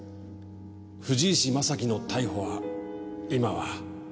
藤石正輝の逮捕は今は。